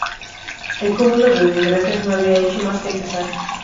El cúmulo de desgracias no había hecho más que empezar.